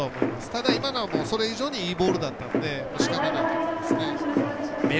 ただ、今のはそれ以上にいいボールだったのでしかたないと思いますね。